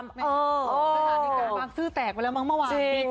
สถานการณ์บังสือแตกไปแล้วมั้งเมื่อวาน